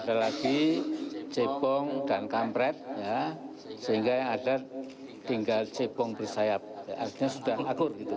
ada lagi cebong dan kampret sehingga yang ada tinggal cebong bersayap artinya sudah ngakur gitu